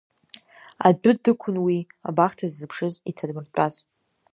Адәы дықәын уи, абахҭа ззыԥшыз иҭадмыртәаз.